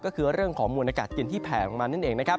ก็คือเรื่องของมวลอากาศเย็นที่แผลลงมานั่นเองนะครับ